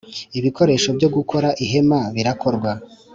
Ibikoresho byo gukora ihema birakorwa.